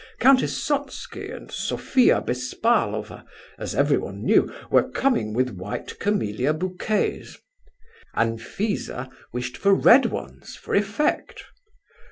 Countess Sotski and Sophia Bespalova, as everyone knew, were coming with white camellia bouquets. Anfisa wished for red ones, for effect.